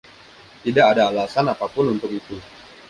Tidak ada alasan apa pun untuk itu.